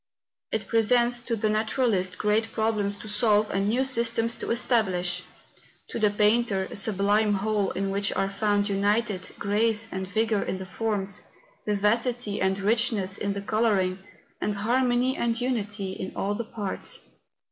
It presents to the naturalist great problems to solve and new systems to establish ; to the painter a sublime whole in which are found united grace and vigour in the forms, vivacity and richness in the colouring, and harmony and unity in all the parts.